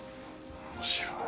面白い。